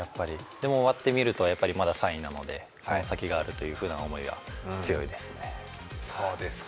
でも、終わってみるとまだ３位なので先があるという思いが強いですね。